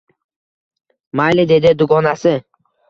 Mayli, dedi dugonasi